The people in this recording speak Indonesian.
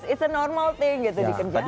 it's a normal thing gitu di kerjaan